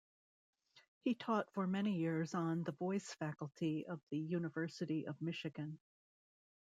He taught for many years on the voice faculty of the University of Michigan.